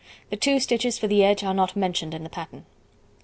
The 2 stitches for the edge are not mentioned in the pattern.